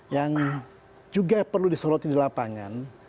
yang juga perlu disoroti di lapangan